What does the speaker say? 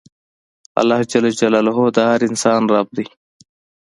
اللهﷻ د هر انسان رب دی.